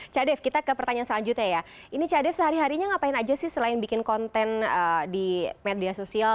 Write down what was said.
cadef kita ke pertanyaan selanjutnya ya ini cak dave sehari harinya ngapain aja sih selain bikin konten di media sosial